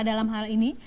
dalam hal ini